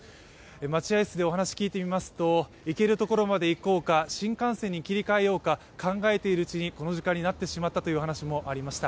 待合室でお話を聞いてみますと、行けるところまで行こうか新幹線に切り替えようか考えているうちにこの時間になってしまったというお話もありました。